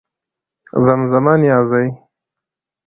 زمزمه نيازۍ